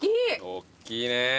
おっきいねー。